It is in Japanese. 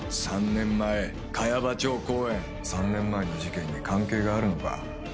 「三年前茅場町公園」３年前の事件に関係があるのか？